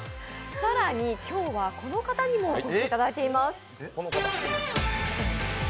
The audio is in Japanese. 更に今日はこの方にもお越しいただいています。